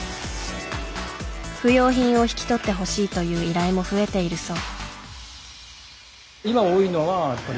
不要品を引き取ってほしいという依頼も増えているそう。